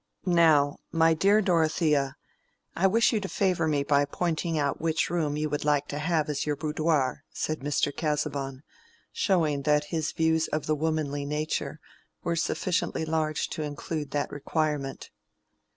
"Now, my dear Dorothea, I wish you to favor me by pointing out which room you would like to have as your boudoir," said Mr. Casaubon, showing that his views of the womanly nature were sufficiently large to include that requirement.